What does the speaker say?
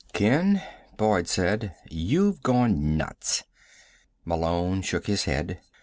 "Ken," Boyd said, "you've gone nuts." Malone shook his head.